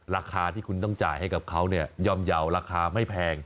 ราคาที่คุณต้องจ่ายให้กับเขาเนี่ยย่อมเยาว์ราคาไม่แพง